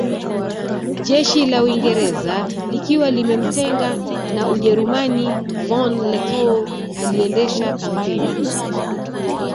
Jeshi la Uingereza likiwa limemtenga na Ujerumani von Lettow aliendesha kampeni